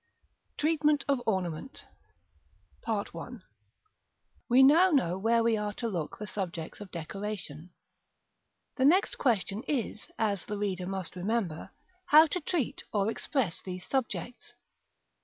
TREATMENT OF ORNAMENT. § I. We now know where we are to look for subjects of decoration. The next question is, as the reader must remember, how to treat or express these subjects.